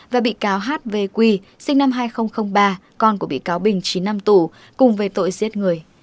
và bị cáo h v q sinh năm hai nghìn ba con của bị cáo bình chín năm tù cùng về tội giết người